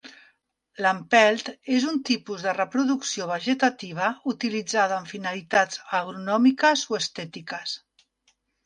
L'empelt és un tipus de reproducció vegetativa utilitzada amb finalitats agronòmiques o estètiques.